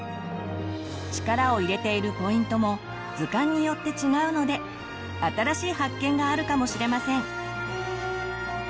力を入れているポイントも図鑑によって違うので新しい発見があるかもしれません。